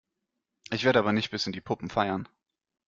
Ich werde aber nicht bis in die Puppen feiern.